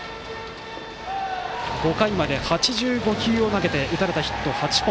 ５回まで８５球を投げて打たれたヒット８本。